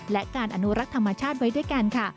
และการอนุรักษ์ธรรมชาติไว้ด้วยกันค่ะ